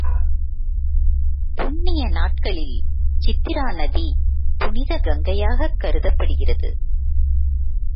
புண்ணிய நாட்களில் சித்திரா நதி, புனித கங்கையாகக் கருதப்படுகிறது.